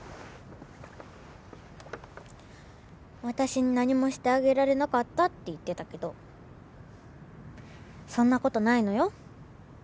私に何もしてあげられなかったって言ってたけどそんなことないのよ